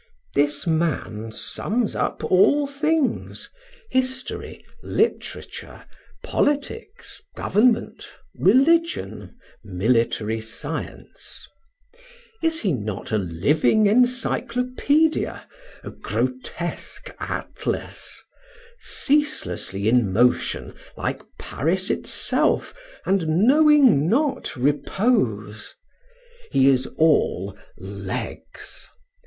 This man sums up all things history, literature, politics, government, religion, military science. Is he not a living encyclopaedia, a grotesque Atlas; ceaselessly in motion, like Paris itself, and knowing not repose? He is all legs.